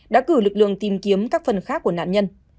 đã cử lực lượng tìm kiếm các phần khác của nạn nhân